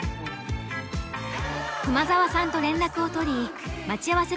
熊澤さんと連絡を取り待ち合わせ